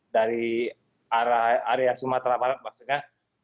dari area sumatera barat maksudnya